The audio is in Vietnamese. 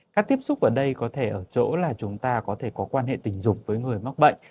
các tiếp xúc ở đây có thể ở chỗ là chúng ta có thể có quan hệ tình dục với người mắc bệnh